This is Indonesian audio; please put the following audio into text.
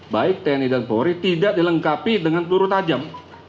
baik tni dan polri tidak dilengkapi dengan peluru tajam